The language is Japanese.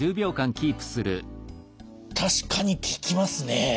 確かに効きますね。